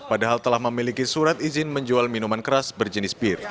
padahal telah memiliki surat izin menjual minuman keras berjenis pir